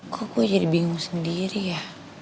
kok aku jadi bingung sendiri ya